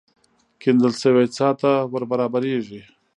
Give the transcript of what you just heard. کېندل شوې څاه ته ور برابرېږي.